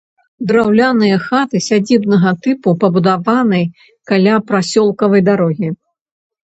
Драўляныя хаты сядзібнага тыпу пабудаваны каля прасёлкавай дарогі.